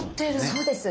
そうです。